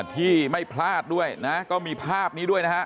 ที่ไม่พลาดด้วยนะก็มีภาพนี้ด้วยนะฮะ